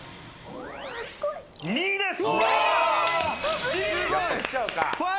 ２位です。